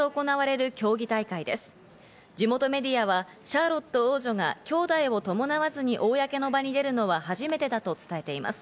シャーロット王女がきょうだいを伴わずに公の場に出るのは初めてだということです。